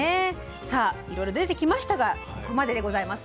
さあいろいろ出てきましたがここまででございます。